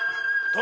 殿！